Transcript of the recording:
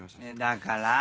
だから。